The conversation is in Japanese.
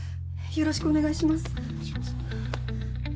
よろしくお願いします。